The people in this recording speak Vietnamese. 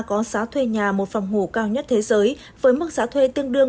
có giá thuê nhà một phòng ngủ cao nhất thế giới với mức giá thuê tương đương